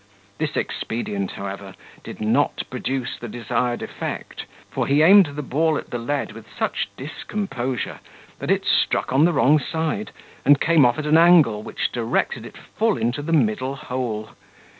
This expedient, however, did not produce the desired effect; for he aimed the ball at the lead with such discomposure, that it struck on the wrong side, and came off at an angle which directed it full in the middle hole.